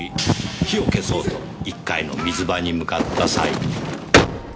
火を消そうと１階の水場に向かった際。